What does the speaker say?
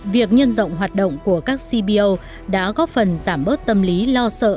việc nhân rộng hoạt động của các cbo đã góp phần giảm bớt tâm lý lo sợ